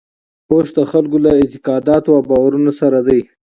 اوښ د خلکو له اعتقاداتو او باورونو سره دی.